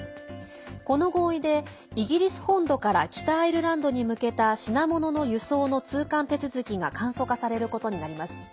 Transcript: この合意で、イギリス本土から北アイルランドに向けた品物の輸送の通関手続きが簡素化されることになります。